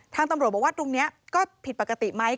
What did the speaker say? ตำรวจบอกว่าตรงนี้ก็ผิดปกติไหม